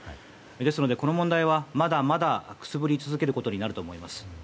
ですので、この問題はまだまだくすぶり続けることになると思います。